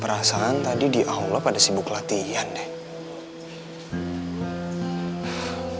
perasaan tadi di allah pada sibuk latihan deh